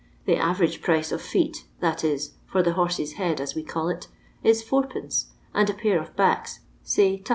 The average price of feet (that is, for the * horse's head,' as we call it) is id,, and a pair of ,backs say 2d.